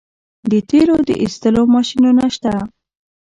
د تیلو د ایستلو ماشینونه شته.